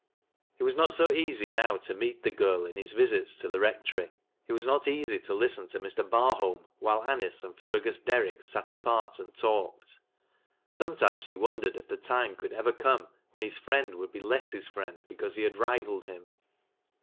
It was not so easy now to meet the girl in his visits to the Rectory: it was not easy to listen to Mr. Barholrn while Anice and Fergus Derrick sat apart and talked. Sometimes he wondered if the time could ever come, when his friend would be less his friend because he had rivaled him.